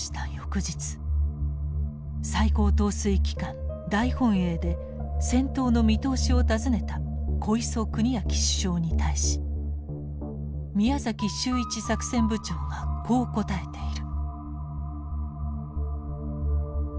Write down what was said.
最高統帥機関大本営で戦闘の見通しを尋ねた小磯国昭首相に対し宮崎周一作戦部長がこう答えている。